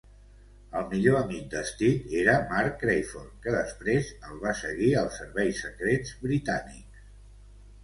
El millor amic de Steed era Mark Crayford, qui després el va seguir als serveis secrets britànics.